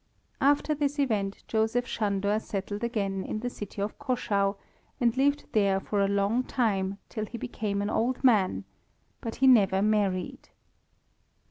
After this event Joseph Sándor settled again in the city of Caschau, and lived there for a long time till he became an old man, but he never married.